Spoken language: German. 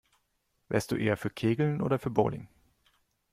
Wärst du eher für Kegeln oder für Bowling?